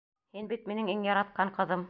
Һин бит минең иң яратҡан ҡыҙым!..